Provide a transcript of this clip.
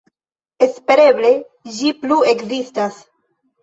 Espereble ĝi plu ekzistas.